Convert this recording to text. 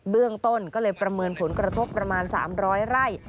เรื่องต้นก็เลยประเมินผลกระทบประมาณ๓๐๐ไร่